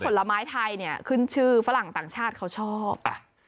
เพราะว่าผลไม้ไทยขึ้นชื่อฝรั่งต่างชาติเขาชอบ